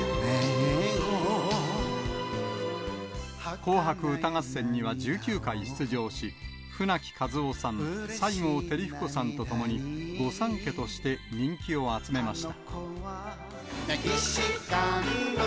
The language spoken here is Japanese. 紅白歌合戦には１９回出場し、舟木一夫さん、西郷輝彦さんと共に、御三家として人気を集めました。